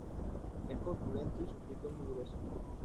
Es corpulento y su pico es muy grueso.